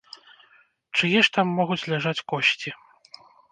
Чые ж там могуць ляжаць косці?